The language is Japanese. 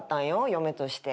嫁として。